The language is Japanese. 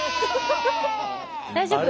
大丈夫？